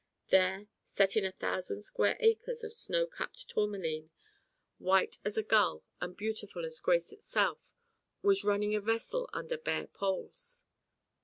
There, set in a thousand square acres of snowcapped tourmaline, white as a gull and beautiful as grace itself, was running a vessel under bare poles.